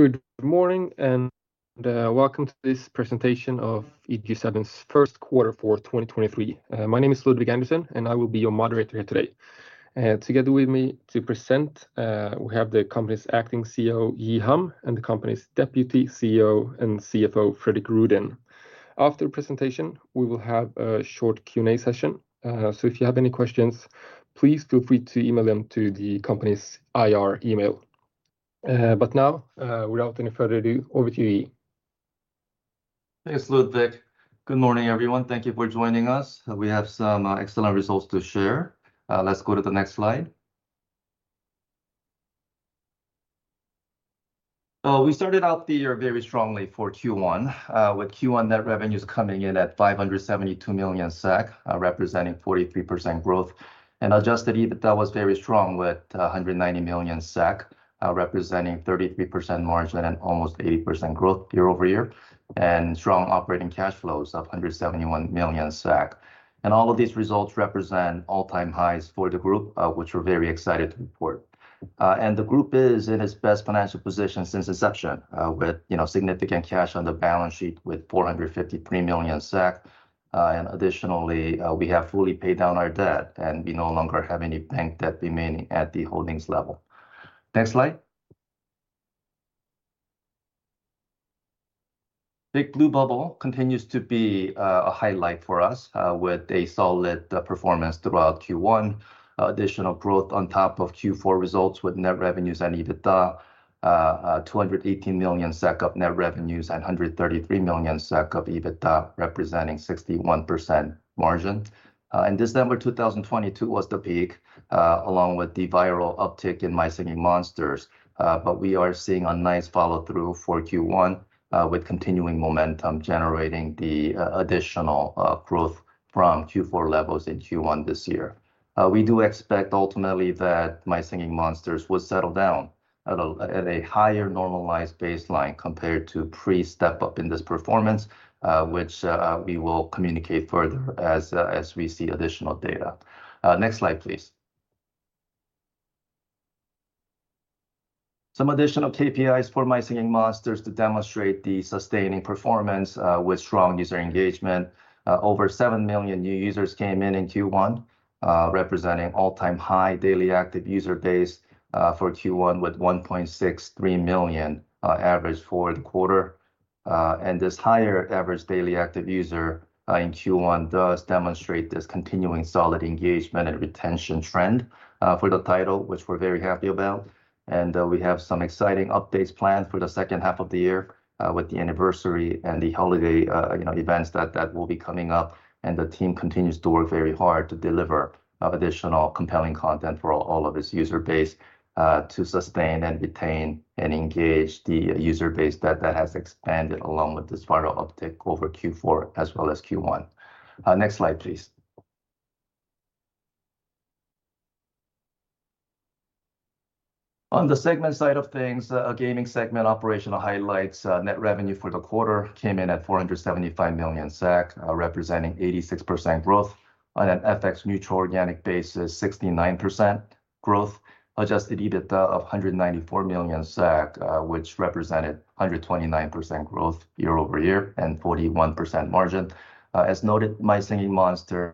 Good morning, welcome to this presentation of EG7's first quarter for 2023. My name is Ludwig Andersson, and I will be your moderator here today. Together with me to present, we have the company's Acting CEO, Ji Ham, and the company's Deputy CEO and CFO, Fredrik Rüdén. After the presentation, we will have a short Q&A session. If you have any questions, please feel free to email them to the company's IR email. Now, without any further ado, over to you, Ji. Thanks, Ludwig. Good morning, everyone. Thank you for joining us. We have some excellent results to share. Let's go to the next line. We started out the year very strongly for Q1, with Q1 net revenues coming in at 572 million SEK, representing 43% growth. Adjusted EBITA was very strong with 190 million SEK, representing 33% margin and almost 80% growth year-over-year, and strong operating cash flows of 171 million SEK. All of these results represent all-time highs for the group, which we're very excited to report. The group is in its best financial position since inception, with, you know, significant cash on the balance sheet with 453 million SEK. Additionally, we have fully paid down our debt, and we no longer have any bank debt remaining at the holdings level. Next line. Big Blue Bubble continues to be a highlight for us with a solid performance throughout Q1. Additional growth on top of Q4 results with net revenues and EBITA, 218 million SEK of net revenues and 133 million SEK of EBITA, representing 61% margin. December 2022 was the peak along with the viral uptick in My Singing Monsters. We are seeing a nice follow-through for Q1 with continuing momentum generating the additional growth from Q4 levels in Q1 this year. We do expect ultimately that My Singing Monsters will settle down at a higher normalized baseline compared to pre-step-up in this performance, which we will communicate further as we see additional data. Next slide, please. Some additional KPIs for My Singing Monsters to demonstrate the sustaining performance with strong user engagement. Over 7 million new users came in in Q1, representing all-time high daily active user base for Q1 with 1.63 million average for the quarter. This higher average daily active user in Q1 does demonstrate this continuing solid engagement and retention trend for the title, which we're very happy about. We have some exciting updates planned for the second half of the year, with the anniversary and the holiday, you know, events that will be coming up. The team continues to work very hard to deliver additional compelling content for all of its user base, to sustain and retain and engage the user base that has expanded along with this viral uptick over Q4 as well as Q1. Next slide, please. On the segment side of things, a gaming segment operational highlights, net revenue for the quarter came in at 475 million SEK, representing 86% growth. On an FX-neutral organic basis, 69% growth. Adjusted EBITA of 194 million SEK, which represented 129% growth year-over-year and 41% margin. As noted, My Singing Monsters,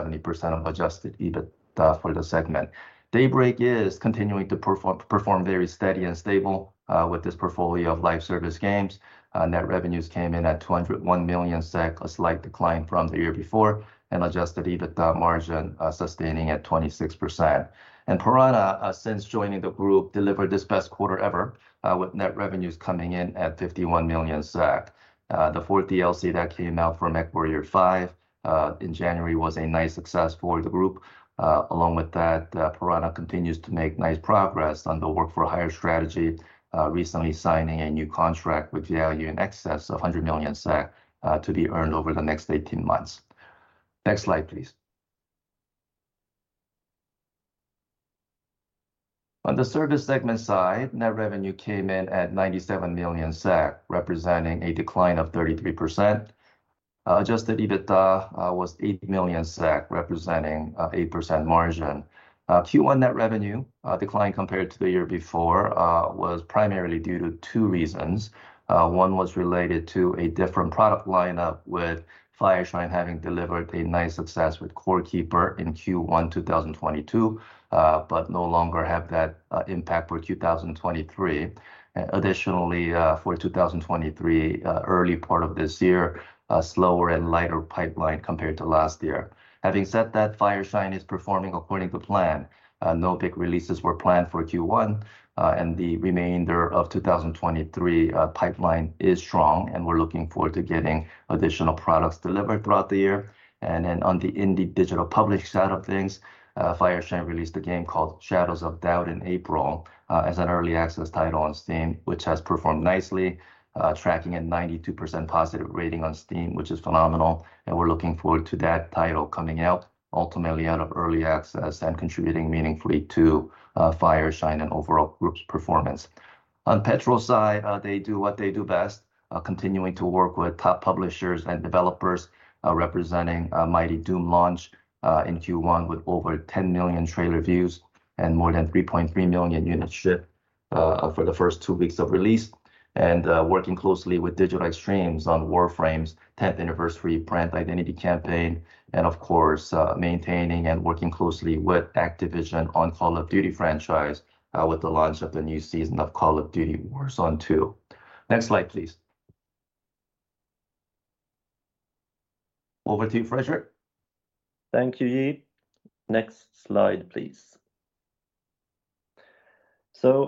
70% of adjusted EBITA for the segment. Daybreak is continuing to perform very steady and stable with this portfolio of live service games. Net revenues came in at 201 million SEK, a slight decline from the year before, and adjusted EBITA margin sustaining at 26%. Piranha, since joining the group, delivered its best quarter ever with net revenues coming in at 51 million. The fourth DLC that came out for MechWarrior 5 in January was a nice success for the group. Along with that, Piranha continues to make nice progress on the work-for-hire strategy, recently signing a new contract with value in excess of 100 million SEK to be earned over the next 18 months. Next slide, please. On the service segment side, net revenue came in at 97 million SEK, representing a decline of 33%. Adjusted EBITA was 8 million SEK, representing 8% margin. Q1 net revenue decline compared to the year before was primarily due to two reasons. One was related to a different product line-up with Fireshine having delivered a nice success with Core Keeper in Q1 2022, but no longer have that impact for 2023. Additionally, for 2023, early part of this year, a slower and lighter pipeline compared to last year. Having said that, Fireshine is performing according to plan. No big releases were planned for Q1, and the remainder of 2023 pipeline is strong, and we're looking forward to getting additional products delivered throughout the year. On the Indie Digital Publish side of things, Fireshine released a game called Shadows of Doubt in April, as an early access title on Steam, which has performed nicely, tracking at 92% positive rating on Steam, which is phenomenal. We're looking forward to that title coming out ultimately out of early access and contributing meaningfully to Fireshine Games and overall group's performance. On PETROL side, they do what they do best, continuing to work with top publishers and developers, representing a Mighty DOOM launch in Q1 with over 10 million trailer views and more than 3.3 million units shipped for the first 2 weeks of release. Working closely with Digital Extremes on Warframe's 10th anniversary brand identity campaign. Of course, maintaining and working closely with Activision on Call of Duty franchise, with the launch of the new season of Call of Duty: Warzone 2.0. Next slide, please. Over to you, Fredrik. Thank you, Ji. Next slide, please.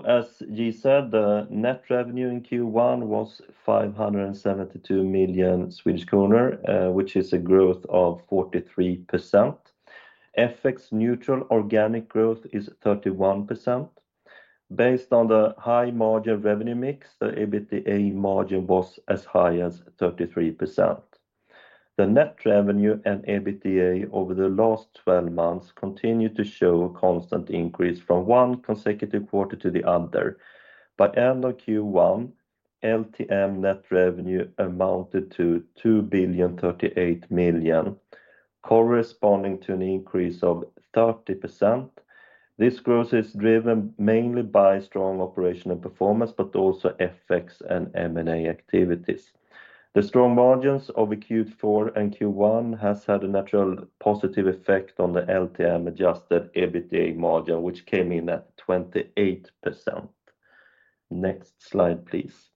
As Ji said, the net revenue in Q1 was 572 million Swedish kronor, which is a growth of 43%. FX-neutral organic growth is 31%. Based on the high margin revenue mix, the EBITDA margin was as high as 33%. The net revenue and EBITDA over the last 12 months continue to show a constant increase from one consecutive quarter to the other. By end of Q1, LTM net revenue amounted to 2 billion 38 million, corresponding to an increase of 30%. This growth is driven mainly by strong operational performance, but also FX and M&A activities. The strong margins of Q4 and Q1 has had a natural positive effect on the LTM adjusted EBITDA margin, which came in at 28%. Next slide, please.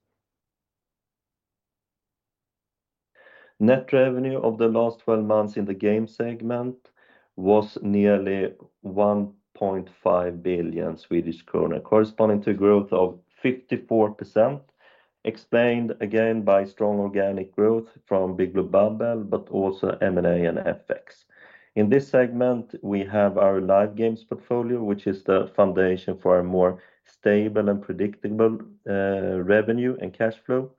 Net revenue of the last 12 months in the game segment was nearly 1.5 billion Swedish kronor, corresponding to growth of 54%, explained again by strong organic growth from Big Blue Bubble, but also M&A and FX. In this segment, we have our live games portfolio, which is the foundation for a more stable and predictable revenue and cash flow.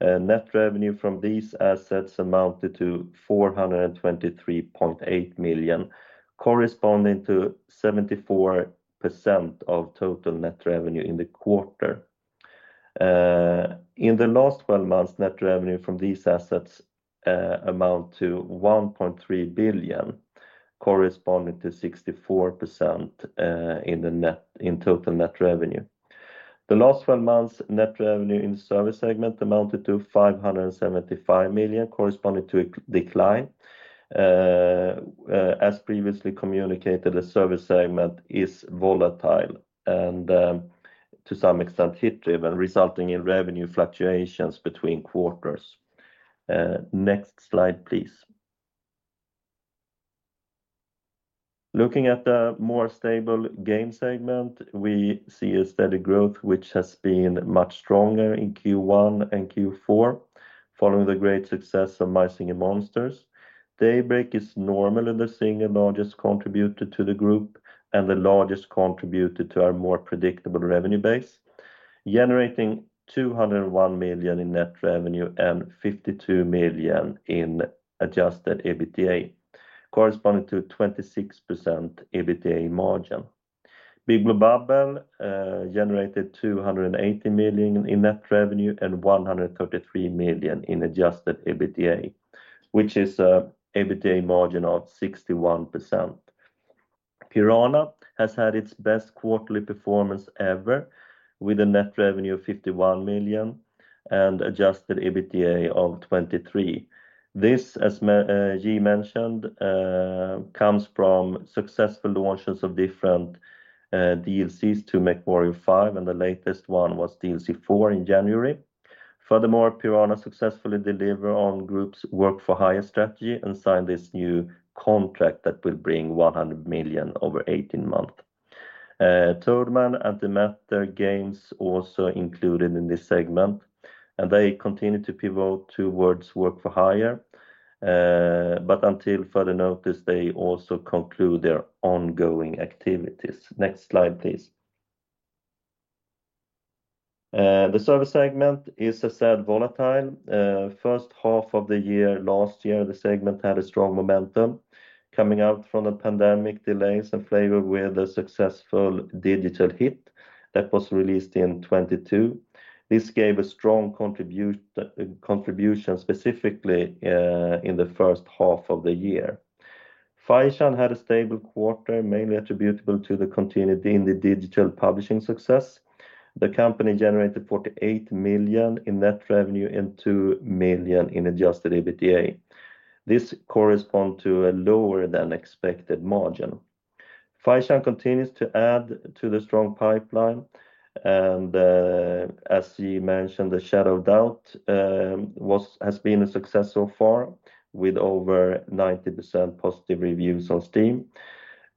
Net revenue from these assets amounted to 423.8 million, corresponding to 74% of total net revenue in the quarter. In the last 12 months, net revenue from these assets, amount to 1.3 billion, corresponding to 64% in total net revenue. The last 12 months, net revenue in service segment amounted to 575 million corresponding to a decline. As previously communicated, the service segment is volatile and to some extent hit-driven, resulting in revenue fluctuations between quarters. Next slide, please. Looking at the more stable game segment, we see a steady growth which has been much stronger in Q1 and Q4, following the great success of My Singing Monsters. Daybreak is normally the single largest contributor to the group and the largest contributor to our more predictable revenue base, generating 201 million in net revenue and 52 million in adjusted EBITDA, corresponding to a 26% EBITDA margin. Big Blue Bubble generated 280 million in net revenue and 133 million in adjusted EBITDA, which is a EBITDA margin of 61%. Piranha has had its best quarterly performance ever with a net revenue of 51 million and adjusted EBITDA of 23 million. This, as Ji mentioned, comes from successful launches of different DLCs to MechWarrior 5, and the latest one was DLC 4 in January. Furthermore, Piranha successfully deliver on group's work-for-hire strategy and signed this new contract that will bring 100 million over 18 months. Toadman and Antimatter Games also included in this segment, and they continue to pivot towards work-for-hire. Until further notice, they also conclude their ongoing activities. Next slide, please. The service segment is a sad volatile. First half of the year last year, the segment had a strong momentum coming out from the pandemic delays and flavored with a successful digital hit that was released in 2022. This gave a strong contribution specifically in the first half of the year.5Chan had a stable quarter, mainly attributable to the continuity in the digital publishing success. The company generated 48 million in net revenue and 2 million in adjusted EBITDA. This correspond to a lower-than-expected margin. Fireshine continues to add to the strong pipeline, and, as you mentioned, Shadows of Doubt has been a success so far with over 90% positive reviews on Steam.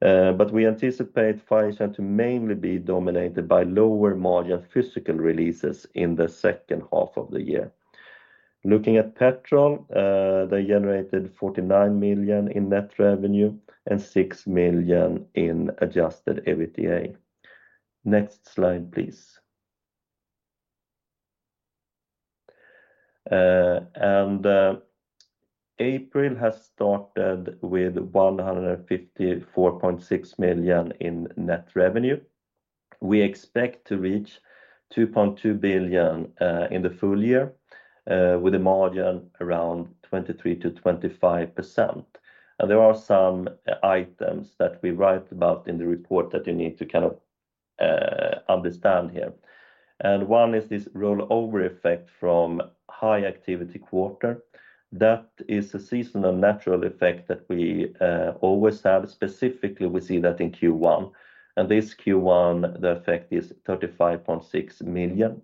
We anticipate 5Chan to mainly be dominated by lower-margin physical releases in the second half of the year. Looking at PETROL, they generated 49 million in net revenue and 6 million in adjusted EBITDA. Next slide, please. April has started with 154.6 million in net revenue. We expect to reach 2.2 billion in the full year with a margin around 23%-25%. There are some items that we write about in the report that you need to understand here. One is this rollover effect from high activity quarter. That is a seasonal natural effect that we always have. Specifically, we see that in Q1. This Q1, the effect is 35.6 million.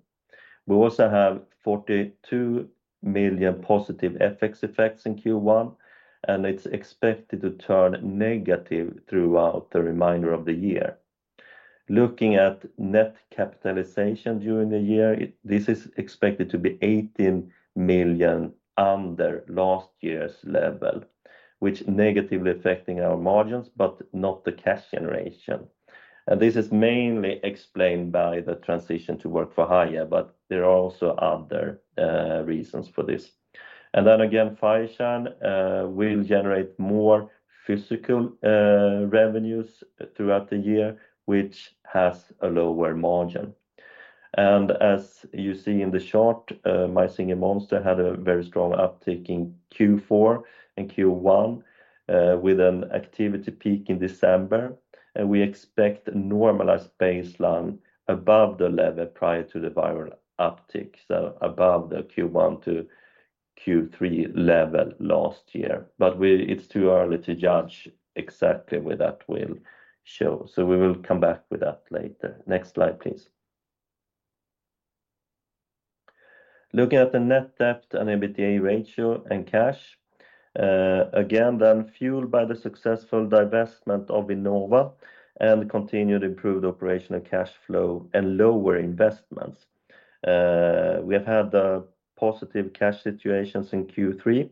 We also have 42 million positive FX effects in Q1. It's expected to turn negative throughout the remainder of the year. Looking at net capitalization during the year, this is expected to be 18 million under last year's level, negatively affecting our margins, but not the cash generation. This is mainly explained by the transition to work-for-hire, but there are also other reasons for this. Fireshine Games will generate more physical revenues throughout the year, which has a lower margin. As you see in the chart, My Singing Monsters had a very strong uptick in Q4 and Q1, with an activity peak in December. We expect normalized baseline above the level prior to the viral uptick, so above the Q1 to Q3 level last year. It's too early to judge exactly where that will show. We will come back with that later. Next slide, please. Looking at the net debt and EBITDA ratio and cash, again, fueled by the successful divestment of Innova and continued improved operational cash flow and lower investments. We have had the positive cash situations in Q3,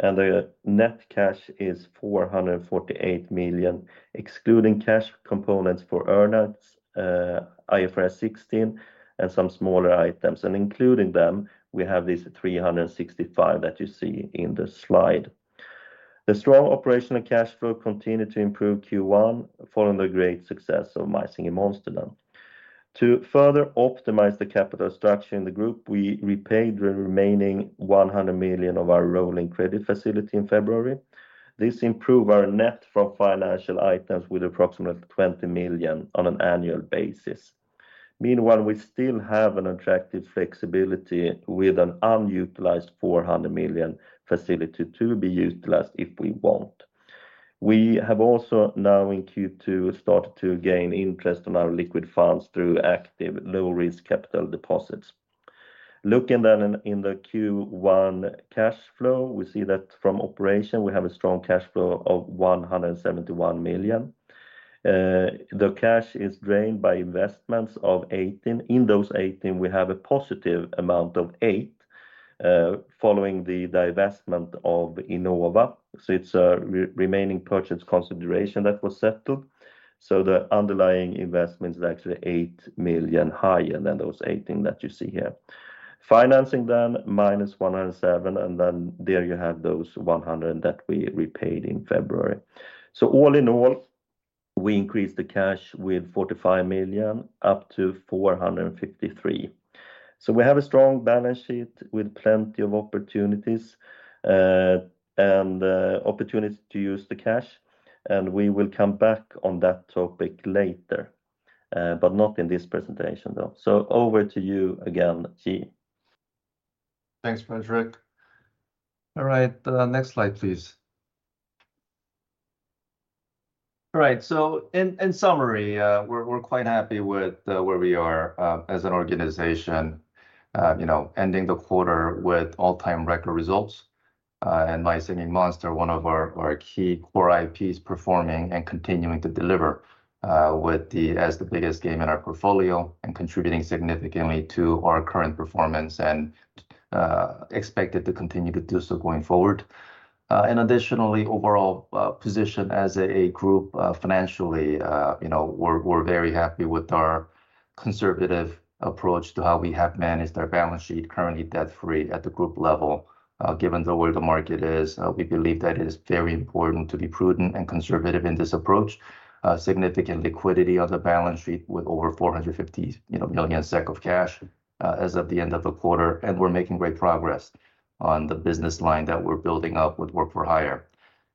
and the net cash is 448 million, excluding cash components for earnouts, IFRS 16, and some smaller items. Including them, we have this 365 that you see in the slide. The strong operational cash flow continued to improve Q1 following the great success of My Singing Monsters. To further optimize the capital structure in the group, we repaid the remaining 100 million of our rolling credit facility in February. This improve our net from financial items with approximately 20 million on an annual basis. We still have an attractive flexibility with an unutilized 400 million facility to be utilized if we want. We have also now in Q2 started to gain interest on our liquid funds through active low-risk capital deposits. Looking in the Q1 cash flow, we see that from operation, we have a strong cash flow of 171 million. The cash is drained by investments of 18. In those 18, we have a positive amount of 8, following the divestment of Innova. It's a re-remaining purchase consideration that was settled. The underlying investment is actually 8 million higher than those 18 that you see here. Financing then minus 107, and then there you have those 100 that we repaid in February. All in all, we increased the cash with 45 million up to 453. We have a strong balance sheet with plenty of opportunities, and opportunities to use the cash, and we will come back on that topic later, but not in this presentation, though. Over to you again, Ji. Thanks, Fredrik. All right, next slide, please. All right. In summary, we're quite happy with where we are as an organization, you know, ending the quarter with all-time record results. My Singing Monsters, one of our key core IPs performing and continuing to deliver as the biggest game in our portfolio and contributing significantly to our current performance and expected to continue to do so going forward. Additionally, overall position as a group financially, you know, we're very happy with our conservative approach to how we have managed our balance sheet currently debt-free at the group level. Given the way the market is, we believe that it is very important to be prudent and conservative in this approach. Significant liquidity on the balance sheet with over 450 million SEK of cash, as of the end of the quarter. We're making great progress on the business line that we're building up with work-for-hire.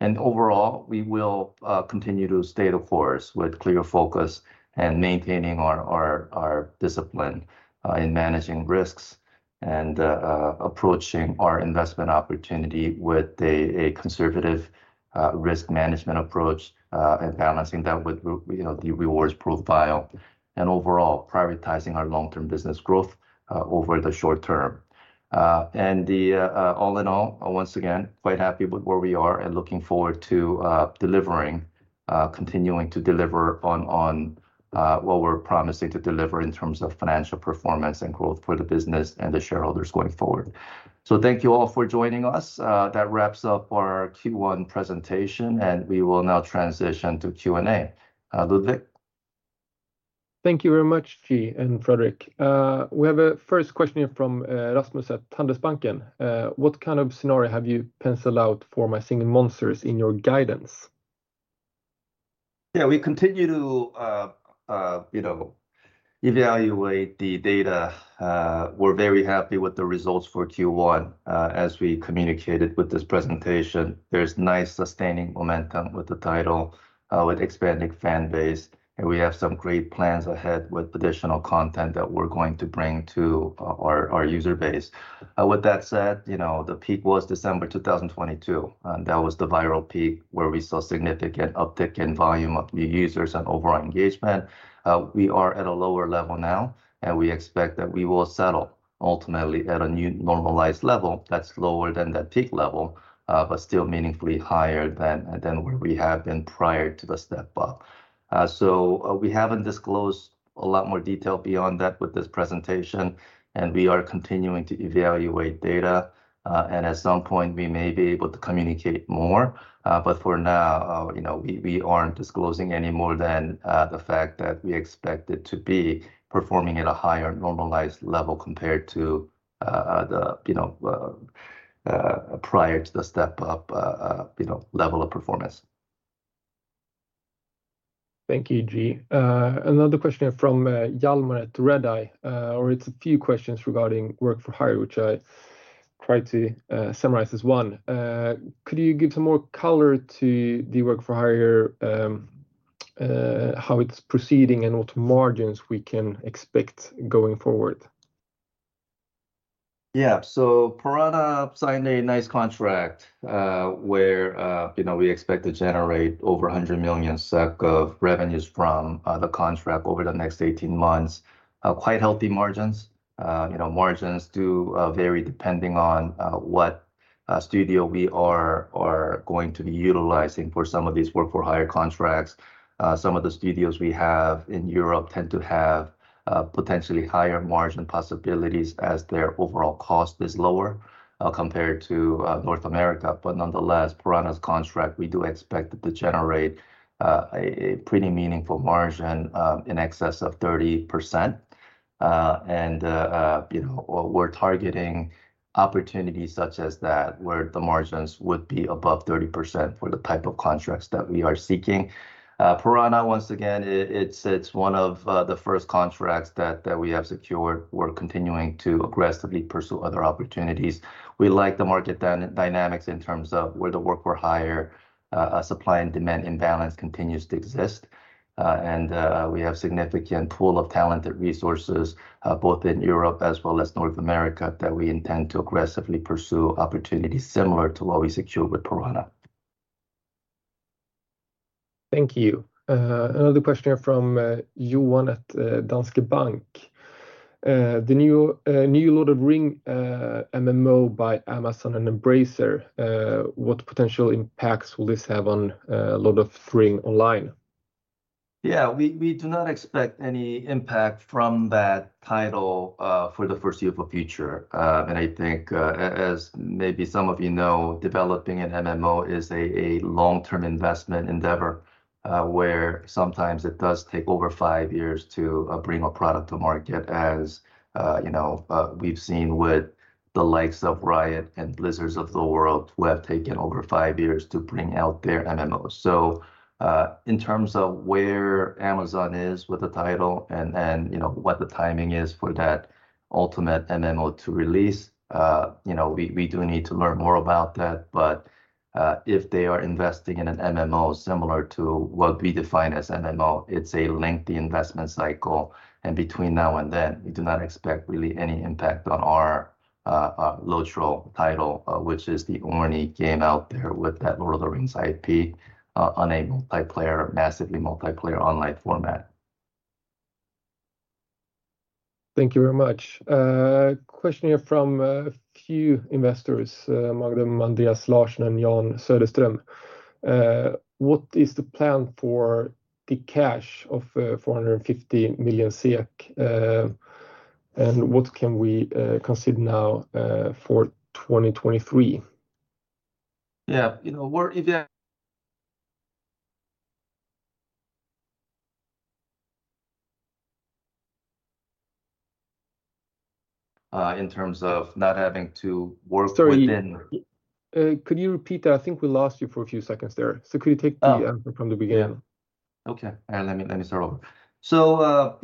Overall, we will continue to stay the course with clear focus and maintaining our discipline in managing risks and approaching our investment opportunity with a conservative risk management approach, and balancing that with you know, the rewards profile and overall prioritizing our long-term business growth over the short term. The all in all, once again, quite happy with where we are and looking forward to delivering, continuing to deliver on what we're promising to deliver in terms of financial performance and growth for the business and the shareholders going forward. Thank you all for joining us. That wraps up our Q1 presentation, and we will now transition to Q&A. Ludwig. Thank you very much, Ji and Fredrik. We have a first question here from Rasmus at Handelsbanken. What kind of scenario have you penciled out for My Singing Monsters in your guidance? We continue to, you know, evaluate the data. We're very happy with the results for Q1. As we communicated with this presentation, there's nice sustaining momentum with the title, with expanding fan base, and we have some great plans ahead with additional content that we're going to bring to our user base. With that said, you know, the peak was December 2022, and that was the viral peak where we saw significant uptick in volume of new users and overall engagement. We are at a lower level now, and we expect that we will settle ultimately at a new normalized level that's lower than that peak level, but still meaningfully higher than where we have been prior to the step-up. We haven't disclosed a lot more detail beyond that with this presentation. We are continuing to evaluate data, and at some point, we may be able to communicate more. For now, you know, we aren't disclosing any more than the fact that we expect it to be performing at a higher normalized level compared to the, you know, prior to the step-up, you know, level of performance. Thank you, Ji. Another question here from Hjalmar at Redeye, or it's a few questions regarding work-for-hire, which I tried to summarize as one. Could you give some more color to the work-for-hire, how it's proceeding and what margins we can expect going forward? Piranha signed a nice contract, where, you know, we expect to generate over 100 million SEK of revenues from the contract over the next 18 months. Quite healthy margins. You know, margins do vary depending on what studio we are going to be utilizing for some of these work-for-hire contracts. Some of the studios we have in Europe tend to have potentially higher margin possibilities as their overall cost is lower, compared to North America. Nonetheless, Piranha's contract, we do expect it to generate a pretty meaningful margin, in excess of 30%. You know, we're targeting opportunities such as that, where the margins would be above 30% for the type of contracts that we are seeking. Piranha, once again, it's one of the first contracts that we have secured. We're continuing to aggressively pursue other opportunities. We like the market dynamics in terms of where the work-for-hire supply and demand imbalance continues to exist. We have significant pool of talented resources, both in Europe as well as North America, that we intend to aggressively pursue opportunities similar to what we secured with Piranha. Thank you. Another question here from Johan at Danske Bank. The new Lord of the Ring MMO by Amazon and Embracer, what potential impacts will this have on Lord of the Ring Online? Yeah. We do not expect any impact from that title for the foreseeable future. I think, as maybe some of you know, developing an MMO is a long-term investment endeavor, where sometimes it does take over five years to bring a product to market as, you know, we've seen with the likes of Riot and Blizzard of the world who have taken over five years to bring out their MMOs. In terms of where Amazon is with the title and, you know, what the timing is for that ultimate MMO to release, you know, we do need to learn more about that. If they are investing in an MMO similar to what we define as MMO, it's a lengthy investment cycle, and between now and then, we do not expect really any impact on our LOTRO title, which is the only game out there with that Lord of the Rings IP on a multiplayer, massively multiplayer online format. Thank you very much. Question here from a few investors, among them, Andreas Larsson and Jan Söderström. What is the plan for the cash of, 450 million SEK, and what can we, consider now, for 2023? Yeah. You know, we're in terms of not having to work within-. Sorry. Could you repeat that? I think we lost you for a few seconds there. Could you take the answer from the beginning? Okay. Let me start over.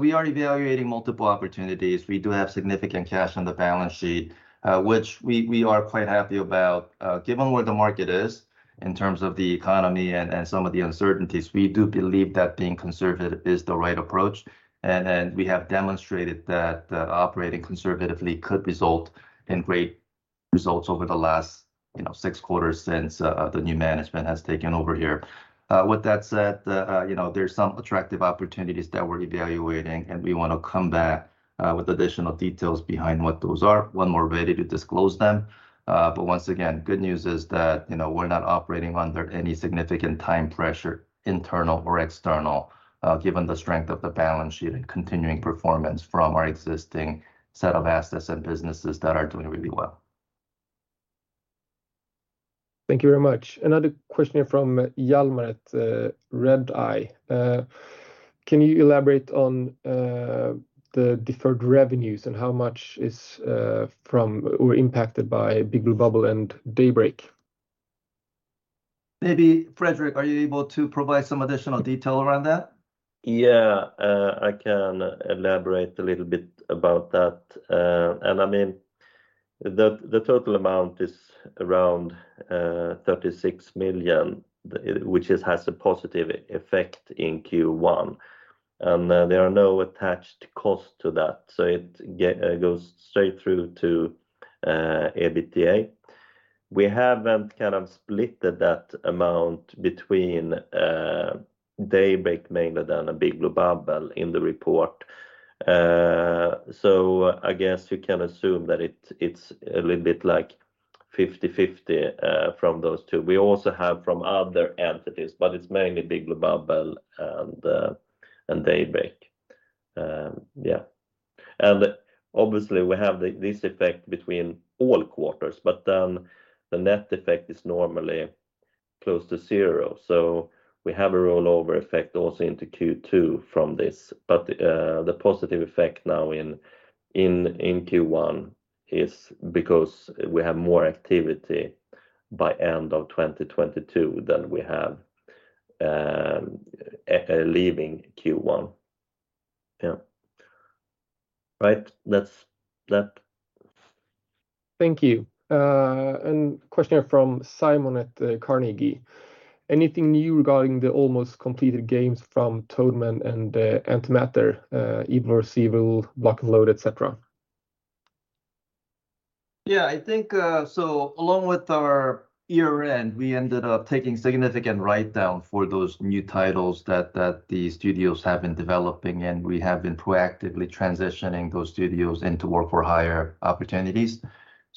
We are evaluating multiple opportunities. We do have significant cash on the balance sheet, which we are quite happy about. Given where the market is in terms of the economy and some of the uncertainties, we do believe that being conservative is the right approach. We have demonstrated that operating conservatively could result in great results over the last, you know, 6 quarters since the new management has taken over here. With that said, you know, there's some attractive opportunities that we're evaluating, and we wanna come back with additional details behind what those are when we're ready to disclose them. Once again, good news is that, you know, we're not operating under any significant time pressure, internal or external, given the strength of the balance sheet and continuing performance from our existing set of assets and businesses that are doing really well. Thank you very much. Another question from Hjalmar at Redeye. Can you elaborate on the deferred revenues and how much is from or impacted by Big Blue Bubble and Daybreak? Maybe Fredrik, are you able to provide some additional detail around that? Yeah. I can elaborate a little bit about that. I mean, the total amount is around 36 million, which has a positive effect in Q1, and there are no attached cost to that, so it goes straight through to EBITDA. We haven't kind of split that amount between Daybreak mainly than a Big Blue Bubble in the report. I guess you can assume that it's a little bit like 50/50 from those two. We also have from other entities, but it's mainly Big Blue Bubble and Daybreak. Yeah. Obviously we have this effect between all quarters, but then the net effect is normally close to zero. We have a rollover effect also into Q2 from this. The positive effect now in, in Q1 is because we have more activity by end of 2022 than we have leaving Q1. Yeah. Right. That's that. Thank you. Question from Simon at Carnegie. Anything new regarding the almost completed games from Toadman and Antimatter, Evil v Evil, Block N Load 2, et cetera? Yeah, I think, along with our year-end, we ended up taking significant write-down for those new titles that the studios have been developing, and we have been proactively transitioning those studios into work-for-hire opportunities.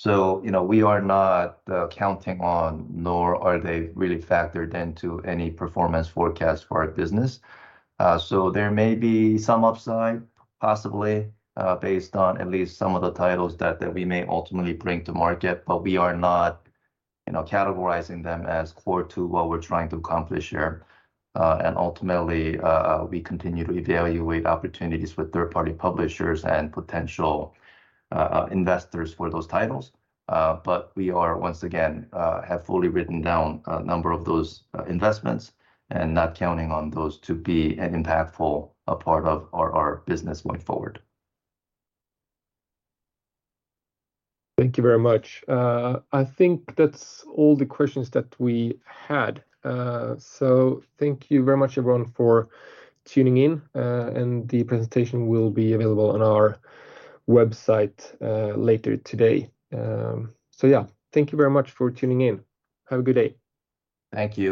You know, we are not counting on nor are they really factored into any performance forecast for our business. There may be some upside possibly, based on at least some of the titles that we may ultimately bring to market, but we are not, you know, categorizing them as core to what we're trying to accomplish here. Ultimately, we continue to evaluate opportunities with third-party publishers and potential investors for those titles. We are once again, have fully written down a number of those investments and not counting on those to be an impactful part of our business going forward. Thank you very much. I think that's all the questions that we had. Thank you very much everyone for tuning in, and the presentation will be available on our website, later today. Yeah, thank you very much for tuning in. Have a good day. Thank you.